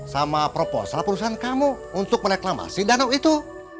sama proposal perusahaan kamu untuk mereklamasi danau itu